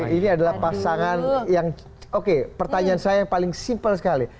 ini adalah pasangan yang oke pertanyaan saya yang paling simpel sekali